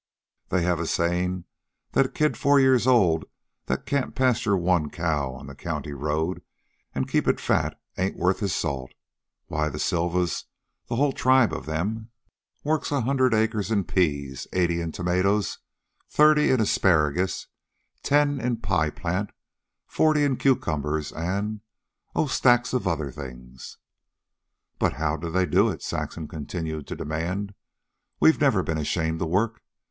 They have a sayin' that a kid four years old that can't pasture one cow on the county road an' keep it fat ain't worth his salt. Why, the Silvas, the whole tribe of 'em, works a hundred acres in peas, eighty in tomatoes, thirty in asparagus, ten in pie plant, forty in cucumbers, an' oh, stacks of other things." "But how do they do it?" Saxon continued to demand. "We've never been ashamed to work.